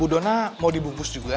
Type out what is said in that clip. udonah mau dibungkus juga